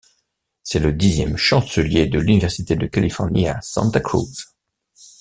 C'est le dixième chancelier de l'université de Californie à Santa Cruz.